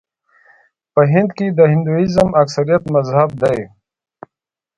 په هند کې د هندويزم اکثریت مذهب دی.